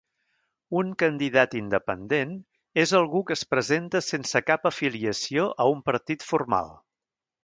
Un candidat independent és algú que es presenta sense cap afiliació a un partit formal.